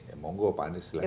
ya mohon gue pak anies silahkan